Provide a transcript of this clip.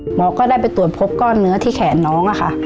หมอก็ได้ไปตรวจพบก้อนเนื้อที่แขนน้องอะค่ะ